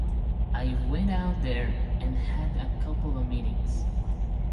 I went out there and had a couple of meetings.